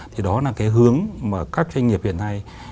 thì đó là cái hướng mà các doanh nghiệp hiện nay